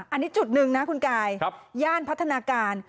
อันนี้จุดหนึ่งนะคุณกายย่านพัฒนาการ